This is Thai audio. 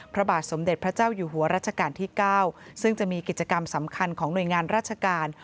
พระบาทสมเด็จพระเจ้าอยู่หัวรัชกาลที่๙ซึ่งจะมีกิจกรรมสำคัญของหน่วยงานราชการ